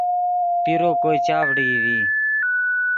پیرو کوئے چاڤڑئی ڤی